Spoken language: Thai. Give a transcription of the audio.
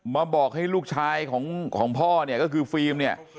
มาบอกให้ลูกชายของพ่อเนี่ยก็คือฟิล์มเนี่ย